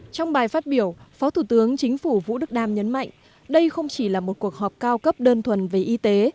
trong bài phát biểu phó thủ tướng chính phủ vũ đức đam nhấn mạnh đây không chỉ là một cuộc họp cao cấp đơn thuần về y tế